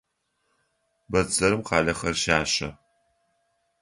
Бэдзэрым къалэхэр щащэ.